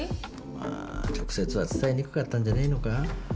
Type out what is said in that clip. まあ直接は伝えにくかったんじゃねえのか？